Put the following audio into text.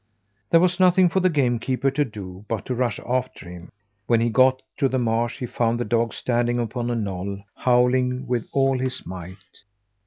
There was nothing for the game keeper to do but to rush after him. When he got to the marsh he found the dog standing upon a knoll, howling with all his might.